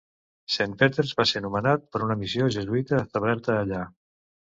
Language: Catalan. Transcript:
Saint Peters va ser nomenat per una missió jesuïta establerta allà.